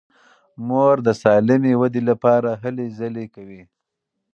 مور د سالمې ودې لپاره هلې ځلې کوي.